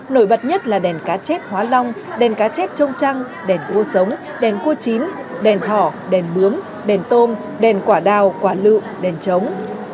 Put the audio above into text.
nổi bật nhất là đèn cá chép hóa long đèn cá chép trông trăng đèn cua sống đèn cua chín đèn thỏ đèn bướm đền tôm đèn quả đào quả lự đèn trống